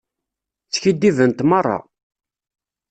Skiddibent merra.